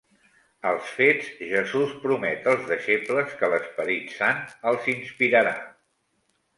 Als Fets, Jesús promet als deixebles que l'Esperit Sant els inspirarà.